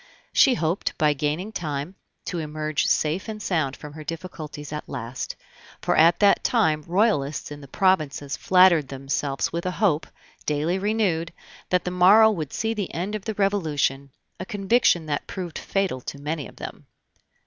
She hoped, by gaining time, to emerge safe and sound from her difficulties at last; for at that time Royalists in the provinces flattered themselves with a hope, daily renewed, that the morrow would see the end of the Revolution a conviction that proved fatal to many of them.